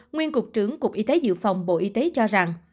nguyên cục trưởng cục y tế dự phòng bộ y tế cho rằng